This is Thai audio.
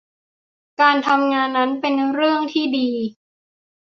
การทำงานนั้นเป็นเรื่องที่ดี